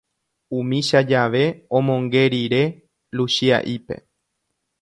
Umícha jave, omonge rire Luchia'ípe